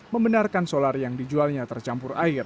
membenarkan solar yang dijualnya tercampur air